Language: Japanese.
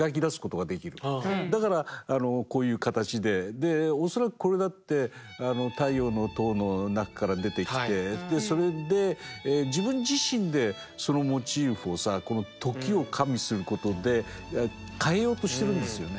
で恐らくこれだって「太陽の塔」の中から出てきてそれで自分自身でそのモチーフを時を加味することで変えようとしてるんですよね。